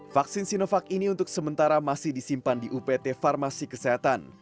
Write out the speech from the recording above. vaksin sinovac ini untuk sementara masih disimpan di upt farmasi kesehatan